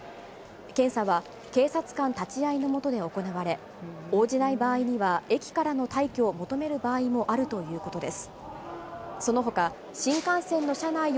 検査は、警察官立ち会いの下で行われ、応じない場合には、駅からの退去を求める場合もあるということです。